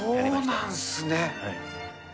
そうなんですね。